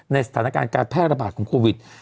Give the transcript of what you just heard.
สถานการณ์การแพร่ระบาดของโควิด